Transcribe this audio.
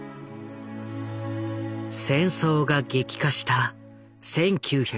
戦争が激化した１９４１年。